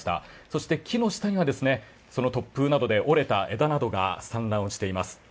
そして木の下にはその突風などで折れた枝などが散乱しています。